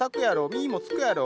実ぃもつくやろ。